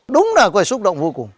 đúng là có thể xúc động vô cùng